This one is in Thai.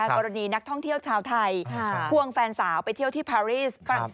กรณีนักท่องเที่ยวชาวไทยควงแฟนสาวไปเที่ยวที่พารีสฝรั่งเศ